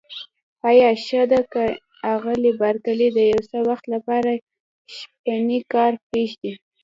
آیا ښه ده که آغلې بارکلي د یو څه وخت لپاره شپنی کار پرېږدي؟